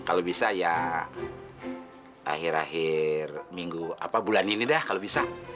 kalau bisa ya akhir akhir minggu bulan ini dah kalau bisa